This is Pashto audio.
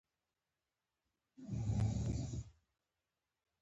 دنيا کۀ راته پېټے د غمونو پۀ سر اېښے